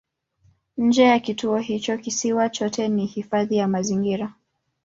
Nje ya kituo hicho kisiwa chote ni hifadhi ya mazingira.